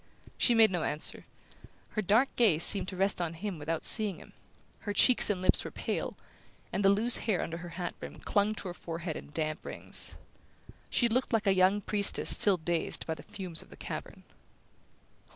She made no answer. Her dark gaze seemed to rest on him without seeing him. Her cheeks and lips were pale, and the loose hair under her hat brim clung to her forehead in damp rings. She looked like a young priestess still dazed by the fumes of the cavern.